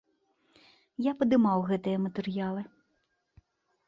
Я падымаў гэтыя матэрыялы.